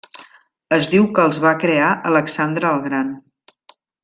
Es diu que els va crear Alexandre el Gran.